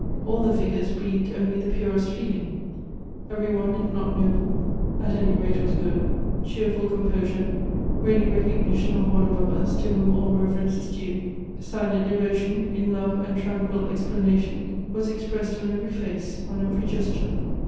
All the figures breathed only the purest feeling ; every one, if not noble, at any rate was good ; cheerful composure, ready recog nition of One above us, to whom all reverence is due ; silent devotion, in love and tranquil explanation, was ex pressed on every face, on every jesture.